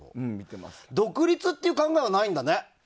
独立っていう考えはないんだね。